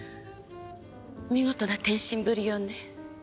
見事な転身ぶりよね。